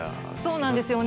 そうなんですよね。